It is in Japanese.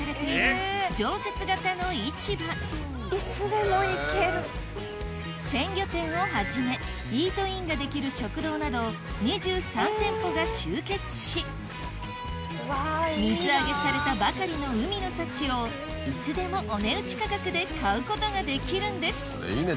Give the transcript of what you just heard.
この鮮魚店をはじめイートインができる食堂など２３店舗が集結し水揚げされたばかりの海の幸をいつでもお値打ち価格で買うことができるんです